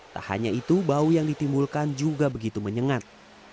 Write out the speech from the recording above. tak hanya itu bau yang ditimbulkan juga begitu menyengat